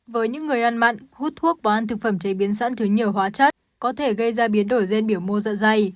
với những người ăn mặn hút thuốc và ăn thực phẩm chế biến sẵn thứ nhiều hóa chất có thể gây ra biến đổi gen biểu mô dạ dày